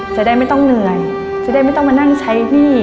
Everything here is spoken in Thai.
จะได้ไม่ต้องเหนื่อยจะได้ไม่ต้องมานั่งใช้หนี้